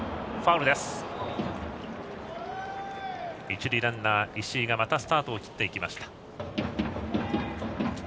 一塁ランナー、石井がスタートを切っていきました。